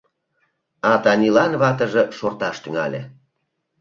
А Танилан ватыже шорташ тӱҥале.